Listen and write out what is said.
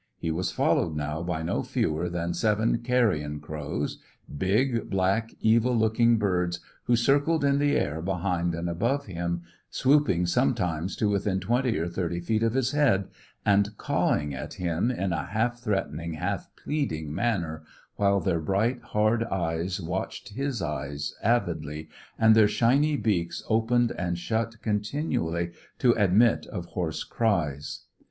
He was followed now by no fewer than seven carrion crows; big, black, evil looking birds, who circled in the air behind and above him, swooping sometimes to within twenty or thirty feet of his head, and cawing at him in a half threatening, half pleading manner, while their bright, hard eyes watched his eyes avidly, and their shiny beaks opened and shut continually to admit of hoarse cries.